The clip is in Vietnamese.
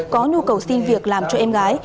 có nhu cầu xin việc làm cho em gái